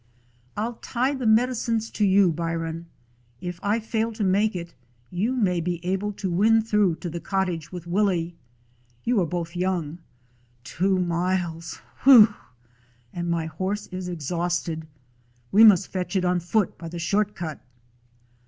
"I 'll tie the medicines to you, Byron. If I fail to make it, you may be able to win through to the cottage with Willie. You are both young. Two miles ! Whew ! And my ho»se is exhausted. We must fetch it on foot by the short cut."